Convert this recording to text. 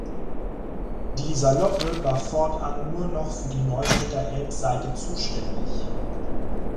Die Saloppe war fortan nur noch für die Neustädter Elbseite zuständig.